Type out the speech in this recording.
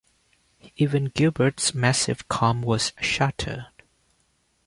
Even Gilbert's massive calm was shattered.